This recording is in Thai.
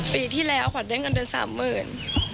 ปีที่แล้วขวัญได้เงินไป๓๐๐๐บาท